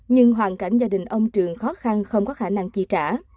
nhưng hoàn cảnh gia đình ông trường khó khăn không có khả năng chi trả